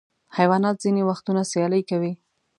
حیوانات ځینې وختونه سیالۍ کوي.